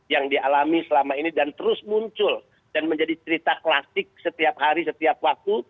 yang dialami selama ini dan terus muncul dan menjadi cerita klasik setiap hari setiap waktu